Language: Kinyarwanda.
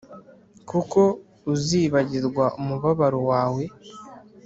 kuko uzibagirwa umubabaro wawe